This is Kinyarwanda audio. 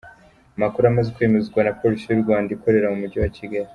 Amakuru amaze kwemezwa na Polisi y’u Rwanda ikorera mu mujyi wa Kigali.